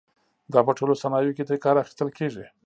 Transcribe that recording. دا په ټولو صنایعو کې ترې کار اخیستل کېږي.